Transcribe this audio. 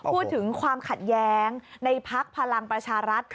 พูดถึงความขัดแย้งในพักพลังประชารัฐ